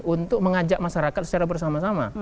untuk mengajak masyarakat secara bersama sama